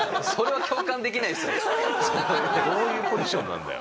どういうポジションなんだよ。